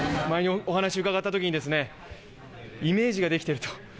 前に、お話伺ったときにイメージができていると。